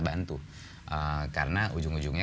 bantu karena ujung ujungnya